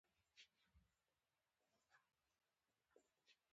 دا ځای د ښځو لپاره ځانګړی دی.